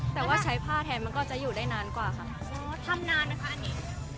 แต่ว่าใช้ผ้าแทนมันก็จะอยู่ได้นานกว่าค่ะอ๋อทำนานไหมคะอันนี้